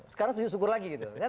sekarang sujud syukur lagi gitu